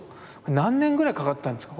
何年ぐらいかかったんですか？